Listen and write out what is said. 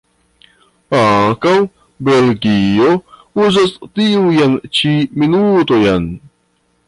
Ankaŭ Belgio uzas tiujn ĉi minutojn.